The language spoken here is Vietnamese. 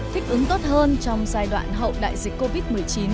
thích ứng tốt hơn trong giai đoạn hậu đại dịch covid một mươi chín